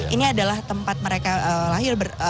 ini adalah tempat mereka lahir